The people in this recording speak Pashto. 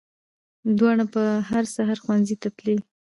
دواړه به هر سهار ښوونځي ته تلې